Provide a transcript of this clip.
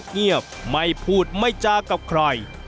เงียบไม่พูดไม่จากับใคร